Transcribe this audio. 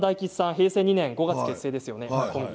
平成２年５月の結成ですよね。